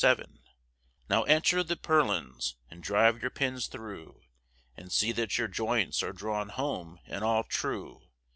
VII Now enter the purlins, and drive your pins through; And see that your joints are drawn home and all true.